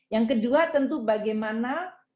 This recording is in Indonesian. yang kedua tentu bagaimana